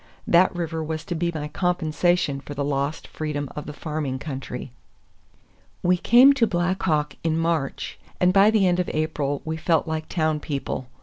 That river was to be my compensation for the lost freedom of the farming country. We came to Black Hawk in March, and by the end of April we felt like town people.